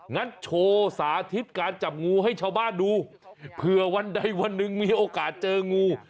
งั้นโชว์สาธิตการจับงูให้ชาวบ้านดูเผื่อวันใดวันหนึ่งมีโอกาสเจองู